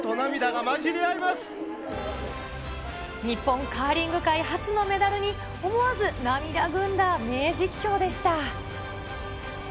日本カーリング界、初のメダルに、思わず涙ぐんだ名実況でした。